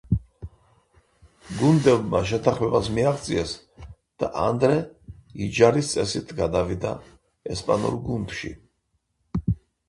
გუნდებმა შეთანხმებას მიაღწიეს და ანდრე იჯარის წესით გადავიდა ესპანურ გუნდში.